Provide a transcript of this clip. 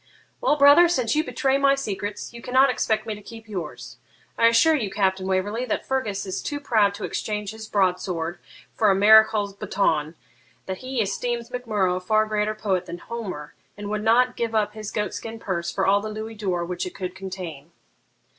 'Well, brother, since you betray my secrets, you cannot expect me to keep yours. I assure you, Captain Waverley, that Fergus is too proud to exchange his broadsword for a marechal's baton, that he esteems Mac Murrough a far greater poet than Homer, and would not give up his goat skin purse for all the louis d'or which it could contain.'